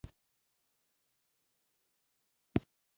نیل تر هغې نه کرارېږي او نه له مستۍ کېني.